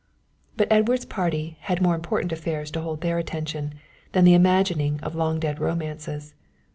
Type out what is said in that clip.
But Edward's party had more important affairs to hold their attention than the imagining of long dead romances.